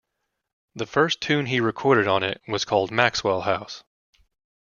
The first tune he recorded on it was called Maxwell House.